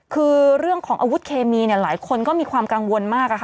คือเรื่องของอาวุธเคมีหลายคนก็มีความกังวลมาก